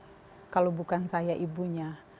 tapi saya berpikir kalau bukan saya ibunya